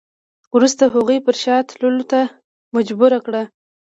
وروسته هغوی پر شا تللو ته مجبور کړ.